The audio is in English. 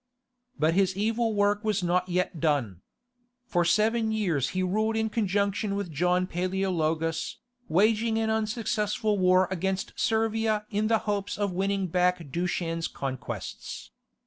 But his evil work was not yet done. For seven years he ruled in conjunction with John Paleologus, waging an unsuccessful war against Servia in the hopes of winning back Dushan's conquests.